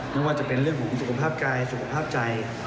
ไม่ว่าจะเป็นเรื่องของสุขภาพกายสุขภาพใจ